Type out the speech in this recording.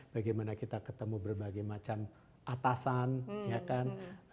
bagaimana kita ketemu berbagai macam atasan ya kan